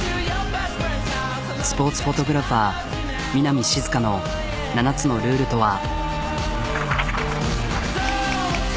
スポーツフォトグラファー南しずかの７つのルールとは。